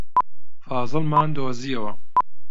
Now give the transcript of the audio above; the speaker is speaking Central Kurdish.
فازڵمان دۆزییەوە.